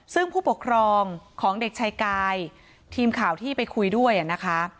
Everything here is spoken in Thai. ซึ่งผู้ปกครองของเด็กชายกายทีมข่าวที่ไปคุยด้วยนะคะ